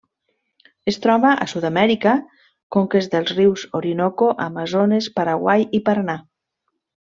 Es troba a Sud-amèrica: conques dels rius Orinoco, Amazones, Paraguai i Paranà.